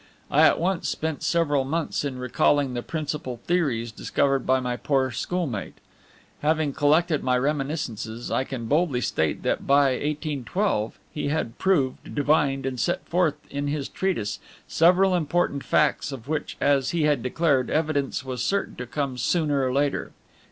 I at once spent several months in recalling the principal theories discovered by my poor schoolmate. Having collected my reminiscences, I can boldly state that, by 1812, he had proved, divined, and set forth in his Treatise several important facts of which, as he had declared, evidence was certain to come sooner or later.